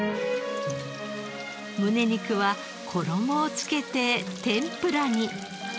むね肉は衣をつけて天ぷらに。